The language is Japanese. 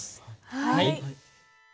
はい。